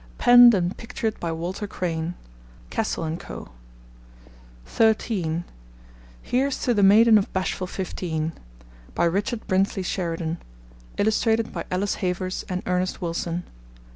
Penned and Pictured by Walter Crane. (Cassell and Co.) (13) Here's to the Maiden of Bashful Fifteen. By Richard Brinsley Sheridan. Illustrated by Alice Havers and Ernest Wilson.